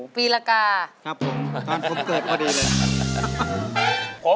ปีละกาครับผมตอนผมเกิดพอดีเลย